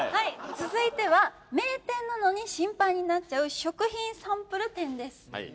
続いては「名店なのに心配になっちゃう食品サンプル展」です。